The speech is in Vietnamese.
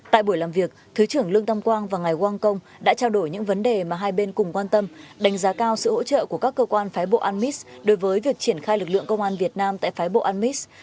tại buổi làm việc thứ trưởng lương tâm quang và ngài quang kong đã trao đổi những vấn đề mà hai bên cùng quan tâm đánh giá cao sự hỗ trợ của các cơ quan phái bộ anmis đối với việc triển khai lực lượng công an việt nam tại phái bộ anmis